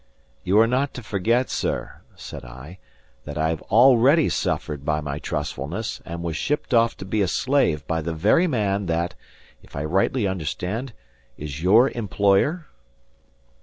"You are not to forget, sir," said I, "that I have already suffered by my trustfulness; and was shipped off to be a slave by the very man that (if I rightly understand) is your employer?"